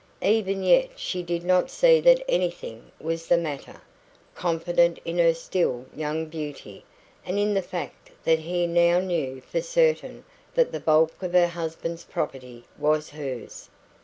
Even yet she did not see that anything was the matter, confident in her still young beauty, and in the fact that he now knew for certain that the bulk of her husband's property was hers.